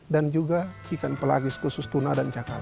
dan juga ikan pelagis khusus tuna dan cakala